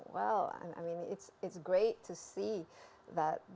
bahwa penipu bukan fase pengembangan